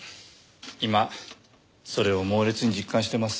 今それを猛烈に実感してます。